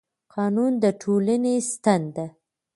قانون د ټولنې ستن ده